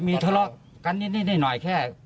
มีทะเลาะกันนิดหน่อยแค่